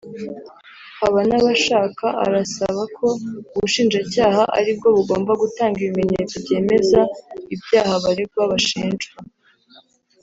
Habanabashaka arasaba ko ubushinjacyaha aribwo bugomba gutanga ibimenyetso byemeza ibyaha abaregwa bashinjwa